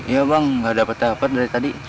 iya bang gak dapet dapet dari tadi